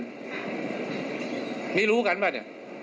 พยาหลักฐานพอเนี่ย